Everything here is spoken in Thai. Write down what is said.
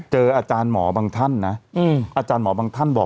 อาจารย์หมอบางท่านนะอาจารย์หมอบางท่านบอก